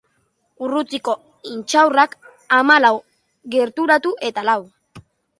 Urrutiko intxaurrak hamalau, gerturatu eta lau.